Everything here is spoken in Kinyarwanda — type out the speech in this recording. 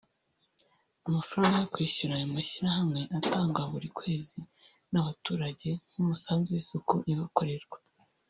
Amafaranga yo kwishyura ayo mashyirahamwe atangwa buri kwezi n’abaturage nk’umusanzu mu isuku ibakorerwa